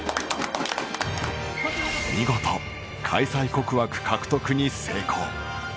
見事、開催国枠獲得に成功。